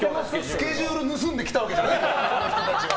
スケジュール盗んできたわけじゃないから。